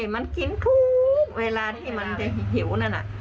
มันกินทุกเวลาที่มันจะหิวนั่นน่ะ